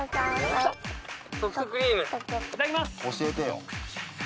教えてよ。